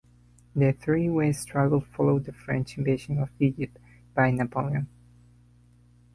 The three-way struggle followed the French invasion of Egypt by Napoleon.